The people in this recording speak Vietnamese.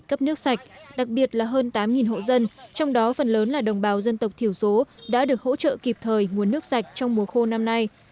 cấp nước sạch đặc biệt là hơn tám hộ dân trong đó phần lớn là đồng bào dân tộc thiểu số đã được hỗ trợ kịp thời nguồn nước sạch trong mùa khô năm nay